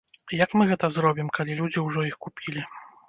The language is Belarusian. Як мы гэта зробім, калі людзі ўжо іх купілі?